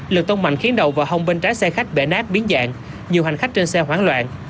lực tông mạnh khiến đầu và hông bên trái xe khách bể nát biến dạng nhiều hành khách trên xe hoảng loạn